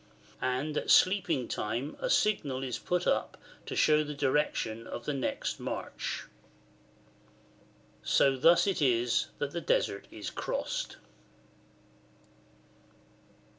And at sleeping time a signal is put up to show the direction of the next march.] So thus it is that the Desert is crossed.